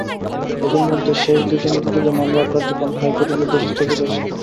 এঁদের মধ্যে শেষ দুজনের বিরুদ্ধে মামলার কার্যক্রম হাইকোর্টের নির্দেশে স্থগিত আছে।